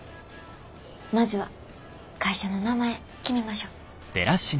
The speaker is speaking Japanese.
まずは会社の名前決めましょう。